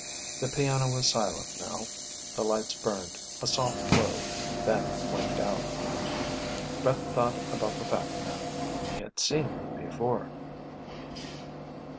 The piano was silent now. The lights burned, a soft glow, then winked out. Brett thought about the fat man. He had seen him before